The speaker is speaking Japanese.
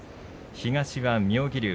東は妙義龍。